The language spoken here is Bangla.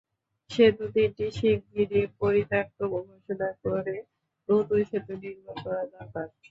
সেতু তিনটি শিগগিরই পরিত্যক্ত ঘোষণা করে নতুন সেতু নির্মাণ করা দরকার।